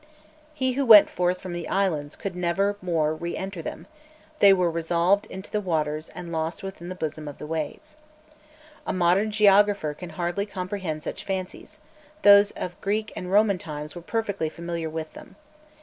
He who went forth from the islands could never more re enter them: they were resolved into the waters and lost within the bosom of the waves. A modern geographer can hardly comprehend such fancies; those of Greek and Roman times were perfectly familiar with them.